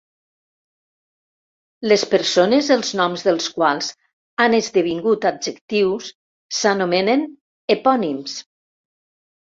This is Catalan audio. Les persones els noms del quals han esdevingut adjectius s'anomenen epònims.